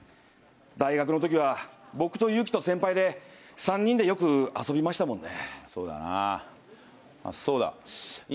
大学のときは僕とユウキと先輩で３人でよく遊びましたもんね。